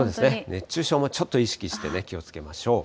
熱中症もちょっと意識して、気をつけましょう。